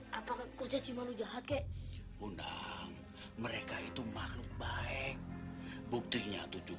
hai apakah kurcaci malu jahat kek undang mereka itu makhluk baik buktinya tujuh